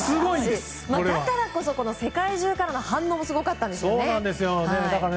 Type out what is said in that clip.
だからこそ世界中からの反応もすごかったんですよね。